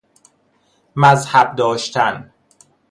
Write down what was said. مذهب داشتن